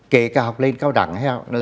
kể cả học lên cao đẳng